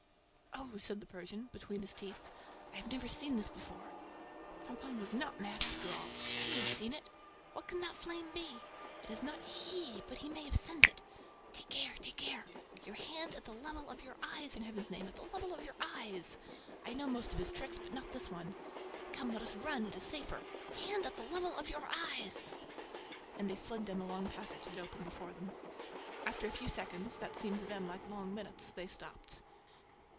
"Oh," said the Persian, between his teeth. "I have never seen this before! ... Pampin was not mad, after all: he had seen it! ... What can that flame be? It is not HE, but he may have sent it! ... Take care! ... Take care! Your hand at the level of your eyes, in Heaven's name, at the level of your eyes! ... know most of his tricks ... but not this one ... Come, let us run ... it is safer. Hand at the level of your eyes!" And they fled down the long passage that opened before them. After a few seconds, that seemed to them like long minutes, they stopped.